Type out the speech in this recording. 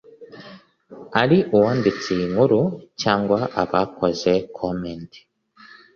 aruwanditse iyinkuru cyangwa abakoze commenti